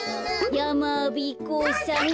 やまびこさんが。